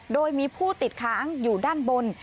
โดยมีผู้ติดค้างอยู่ด้านบน